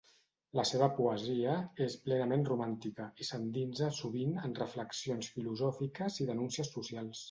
La seva poesia és plenament romàntica, i s'endinsa sovint en reflexions filosòfiques i denúncies socials.